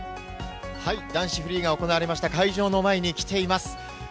男子フリーが行われました会場の前に来ています。